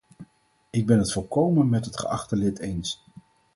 Ik ben het volkomen met het geachte lid eens.